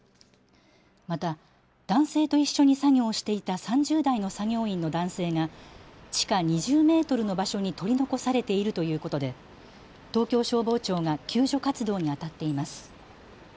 また男性と一緒に作業していた３０代の作業員の男性が地下２０メートルの場所に取り残されているということで東京消防庁が救助活動にあたっています。